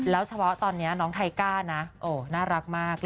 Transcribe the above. แล้วเฉพาะตอนนี้น้องไทก้านะโอ้น่ารักมาก